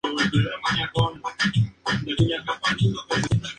Entre las incorporaciones, destacaban dos hombres altos, Gene Wiley y LeRoy Ellis.